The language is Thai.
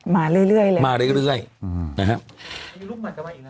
มาเรื่อยเลยมาเรื่อยนะครับ